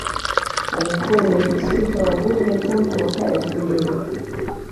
Alikuwa Naibu Spika wa Bunge tangu mwaka elfu mbili